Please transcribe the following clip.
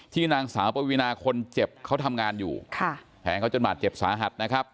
นางสาวปวินาคนเจ็บเขาทำงานอยู่ค่ะแทงเขาจนบาดเจ็บสาหัสนะครับ